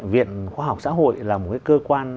viện khoa học xã hội là một cơ quan